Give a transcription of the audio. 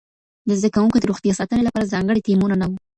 د زده کوونکو د روغتیا ساتنې لپاره ځانګړي ټیمونه نه وو.